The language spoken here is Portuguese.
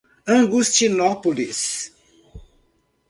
Augustinópolis